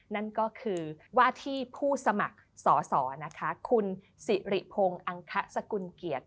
นั่นก็คือว่าที่ผู้สมัครสอสอนะคะคุณสิริพงศ์อังคสกุลเกียรติ